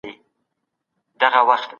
د هغوی حق مه خپلوئ.